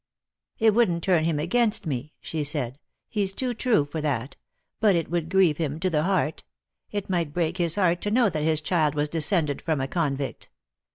' It wouldn't turn him against me,' she said, ' he's too true for that ; but it would grieve him to tho heart ; it might break his heart to know that his child was descended from a convict.'